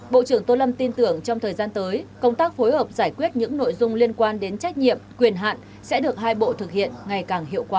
bộ trưởng tô lâm tin tưởng trong thời gian tới công tác phối hợp giải quyết những nội dung liên quan đến trách nhiệm quyền hạn sẽ được hai bộ thực hiện ngày càng hiệu quả